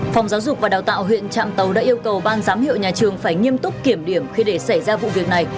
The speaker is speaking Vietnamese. phòng giáo dục và đào tạo huyện trạm tấu đã yêu cầu ban giám hiệu nhà trường phải nghiêm túc kiểm điểm khi để xảy ra vụ việc này